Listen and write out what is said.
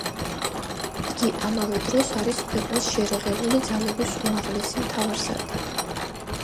იგი ამავე დროს არის ქვეყნის შეიარაღებული ძალების უმაღლესი მთავარსარდალი.